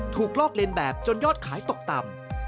ลอกเลียนแบบจนยอดขายตกต่ำ